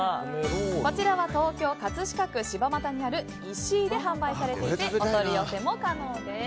こちらは東京・葛飾区柴又にあるい志いで販売されていてお取り寄せも可能です。